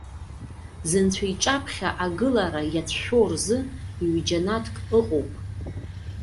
Зынцәа иҿаԥхьа агылара иацәшәо рзы ҩ-џьанаҭк ыҟоуп.